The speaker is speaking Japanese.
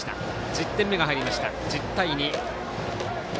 １０点目が入りました、１０対２。